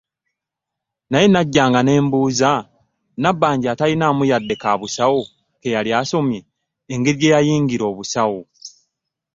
Naye najjanga nneebuuza, Nabbanja ataalinaamu wadde ka busawo ke yali asomye, engeri gye yayingira obusawo!